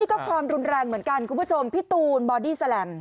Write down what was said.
ก็ความรุนแรงเหมือนกันคุณผู้ชมพี่ตูนบอดี้แลม